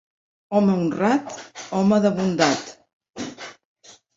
Home honrat, home de bondat.